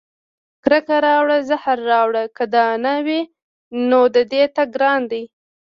کرکه راوړه زهر راوړه که دا نه وي، نو د دې تګ ګران دی